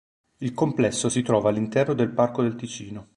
Il complesso si trova all'interno del Parco del Ticino.